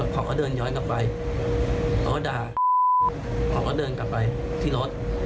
เขาก็เดินย้อนกลับไปเขาก็ด่าเขาก็เดินกลับไปที่รถ